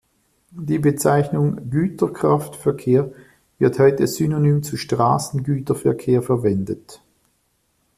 Die Bezeichnung „Güterkraftverkehr“ wird heute synonym zu „Straßengüterverkehr“ verwendet.